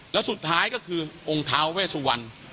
แล้วสุดท้ายก็คือองค์ท้าเวสวรรณ